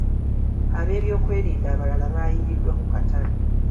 Abeebyokwerinda abalala baayiiriddwa ku katale